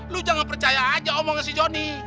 lu jangan percaya aja omong si johnny